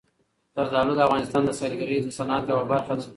زردالو د افغانستان د سیلګرۍ د صنعت یوه برخه ده.